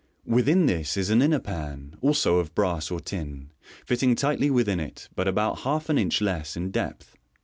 Within this is an inner pan, also of brass or tin, fitting tightly within it, but about half an inch less in depth.